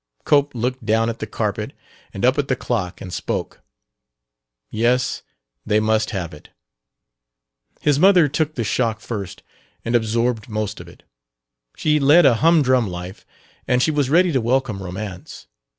Cope looked down at the carpet and up at the clock, and spoke. Yes, they must have it. His mother took the shock first and absorbed most of it. She led a humdrum life and she was ready to welcome romance.